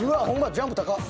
ジャンプ高っ！